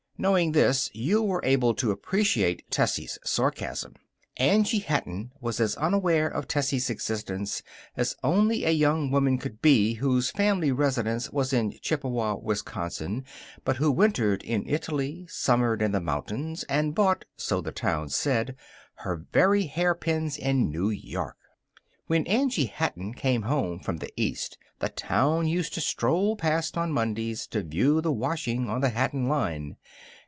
Knowing this, you were able to appreciate Tessie's sarcasm. Angie Hatton was as unaware of Tessie's existence as only a young woman could be whose family residence was in Chippewa, Wisconsin, but who wintered in Italy, summered in the mountains, and bought (so the town said) her very hairpins in New York. When Angie Hatton came home from the East the town used to stroll past on Mondays to view the washing on the Hatton line.